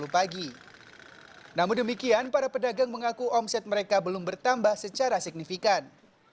pagi namun demikian para pedagang mengaku omset mereka belum bertambah secara signifikan